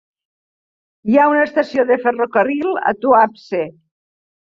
Hi ha una estació de ferrocarril a Tuapse.